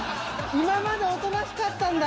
今までおとなしかったんだ。